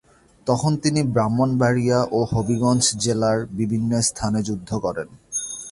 তখন তিনি ব্রাহ্মণবাড়িয়া ও হবিগঞ্জ জেলার বিভিন্ন স্থানে যুদ্ধ করেন।